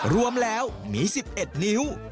รวมแล้วมี๑๑นิ้ว